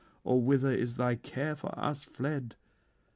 or whither is thy care for us fled?